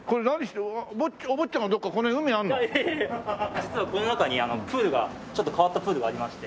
実はこの中にプールがちょっと変わったプールがありまして。